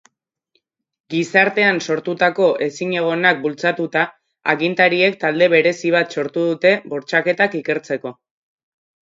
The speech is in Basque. Gizartean sortutako ezinegonak bultzatuta, agintariek talde berezi bat sortu dute bortxaketak ikertzeko.